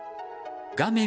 画面